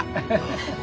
ハハハハ。